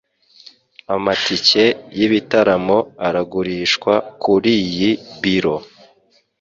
Amatike y'ibitaramo aragurishwa kuriyi biro.